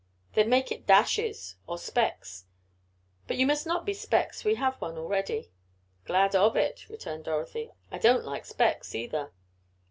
"Then make it Dashes or Specks, but you must not be Specks. We have one already." "Glad of it," returned Dorothy. "I don't like Specks either."